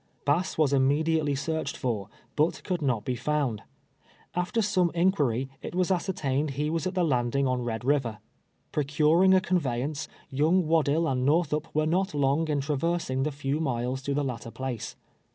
Bass was immediately searched for, but could not be found. After some inrpiiry, it was ascertained ho TIIE MEETING Wmi BASS. 297 was at the landing on Red River. Procuring a con veyance, young "W^addill and jSTortliup were not long in traversing the few miles to the latter place.